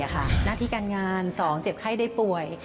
หน้าที่การงาน๒เจ็บไข้ได้ป่วย